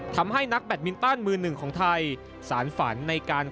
ทำให้นักแบตมินตันมือหนึ่งของไทยสารฝันในการ